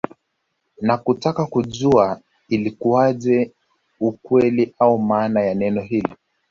Na kutaka kujua ilikuaje ukweli au maana ya neno hili